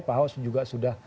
pak ahok juga sudah